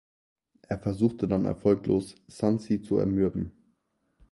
Er versuchte dann erfolglos, Sun Ce zu zermürben.